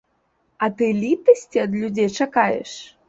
А ты літасці ад людзей чакаеш?